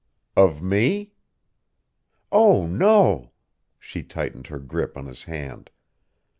"Of me?" "Oh, no," she tightened her grip on his hand.